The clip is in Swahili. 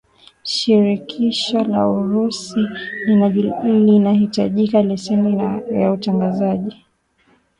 shirikisho la urusi linahitaji leseni ya utangazaji